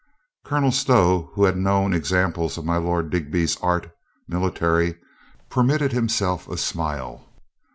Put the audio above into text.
Colonel Stow, who had known ex amples of my Lord Digby's art military, permitted himself a smile.